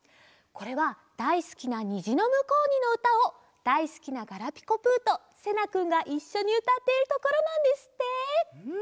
これはだいすきな「にじのむこうに」のうたをだいすきなガラピコぷとせなくんがいっしょにうたっているところなんですって！